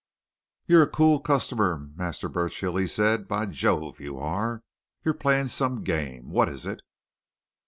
"You're a cool customer, Master Burchill!" he said. "By Jove, you are! You're playing some game. What is it?"